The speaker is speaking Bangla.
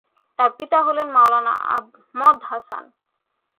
তার পিতা হলেন মাওলানা আহমদ হাসান।